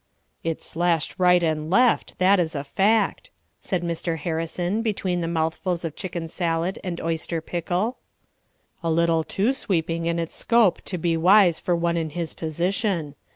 "It slashed right and left, that is a fact," said Mr. Harrison, between the mouthfuls of chicken salad and oyster pickle. "A little too sweeping in its scope to be wise for one in his position.